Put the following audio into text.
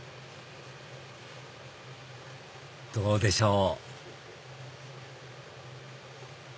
どうでしょう？